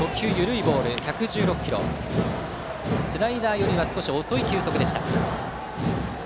スライダーよりは少し遅い球速の初球でした。